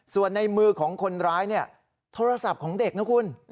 ส่วนในมือของคนร้ายเนี่ยโทรศัพท์ของเด็กนะคุณ